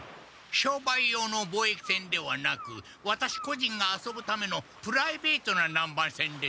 商売用の貿易船ではなくワタシこじんが遊ぶためのプライベートな南蛮船です。